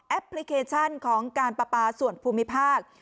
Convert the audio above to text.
พลิเคชันของการประปาส่วนภูมิภาค